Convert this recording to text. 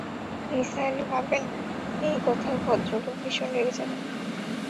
নিসার আলি ভাবলেন, এই কথায় ভদ্রলোক ভীষণ রেগে যাবেন।